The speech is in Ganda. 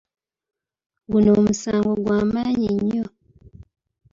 Guno omusango gw'amaanyi nnyo.